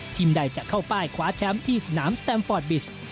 ใดจะเข้าป้ายคว้าแชมป์ที่สนามสแตมฟอร์ดบิช